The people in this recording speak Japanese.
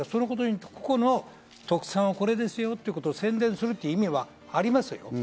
私はここの特産はこれですよという宣伝する意味はありますよ。